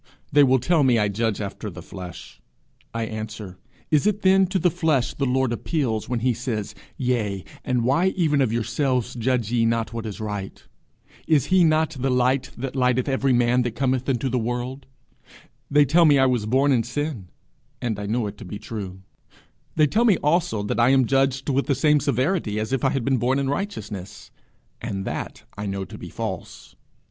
They will tell me I judge after the flesh: I answer, Is it then to the flesh the Lord appeals when he says, 'Yea, and why even of yourselves judge ye not what is right?' Is he not the light that lighteth every man that cometh into the world? They tell me I was born in sin, and I know it to be true; they tell me also that I am judged with the same severity as if I had been born in righteousness, and that I know to be false.